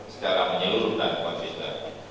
secara menyeluruh dan konsisten